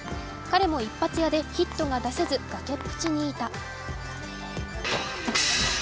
彼も一発屋でヒットが出せず崖っぷちにいした。